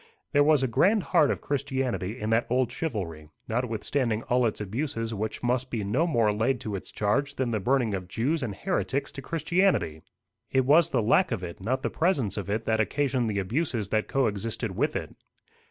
There was a grand heart of Christianity in that old chivalry, notwithstanding all its abuses which must be no more laid to its charge than the burning of Jews and heretics to Christianity. It was the lack of it, not the presence of it that occasioned the abuses that coexisted with it.